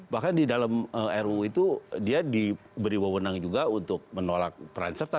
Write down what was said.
bahkan di dalam ruu itu dia diberi wawonan juga untuk menolak peran serta